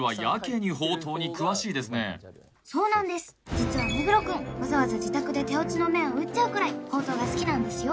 実は目黒くんわざわざ自宅で手打ちの麺を打っちゃうくらいほうとうが好きなんですよ